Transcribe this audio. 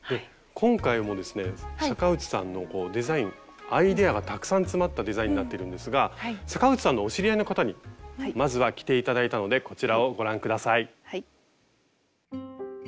今回もですね坂内さんのデザインアイデアがたくさん詰まったデザインになってるんですが坂内さんのお知り合いの方にまずは着て頂いたのでこちらをご覧下さい。